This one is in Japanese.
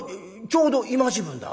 ちょうど今時分だ。